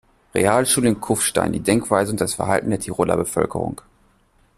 Realschule in Kufstein die Denkweise und das Verhalten der Tiroler Bevölkerung.